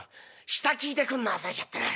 下聞いてくんの忘れちゃったな。